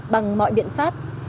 bằng mọi biện pháp